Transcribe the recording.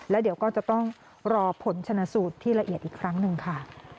แล้วเดี๋ยวก็จะต้องรอผลชนะสูตรที่ละเอียดอีกครั้งหนึ่งค่ะ